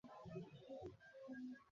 কিন্তু ইহা তো প্রকৃত ধর্ম নহে।